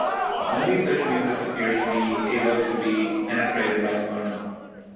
Only such mucus appears to be able to be penetrated by sperm.